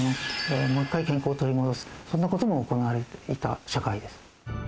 もう一回健康を取り戻すそんな事も行われていた社会です。